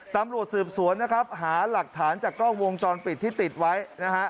ตำรวจสืบสวนนะครับหาหลักฐานจากกล้องวงจรปิดที่ติดไว้นะฮะ